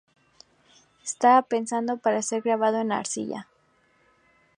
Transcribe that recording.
Estaba pensado para ser grabado en la arcilla.